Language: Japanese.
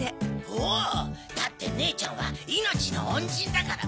おうだってねえちゃんは命の恩人だからな。